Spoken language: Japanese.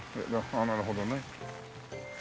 ああなるほどね。